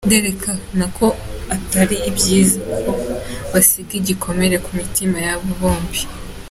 Nderekana ko atari byiza kuko bisiga igikomere ku mitima yabo bombi.